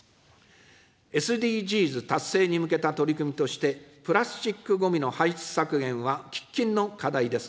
ＳＤＧｓ達成に向けた取り組みとして、プラスチックごみの排出削減は喫緊の課題です。